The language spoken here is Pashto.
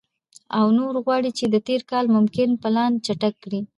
او نور غواړم چې د تېر کال مکمل پلان چیک کړم،